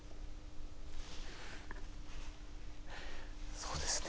そうですね。